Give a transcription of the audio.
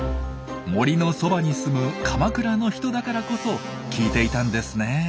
森のそばに住む鎌倉の人だからこそ聞いていたんですね。